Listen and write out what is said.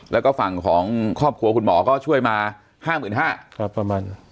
แล้วก็ฝั่งของครอบครัวคุณหมอก็ช่วยมา๕๕๐๐บาทประมาณ